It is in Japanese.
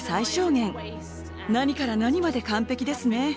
何から何まで完璧ですね。